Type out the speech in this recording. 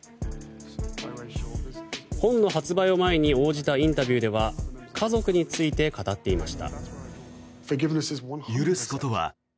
本の発売を前に応じたインタビューでは家族について語っていました。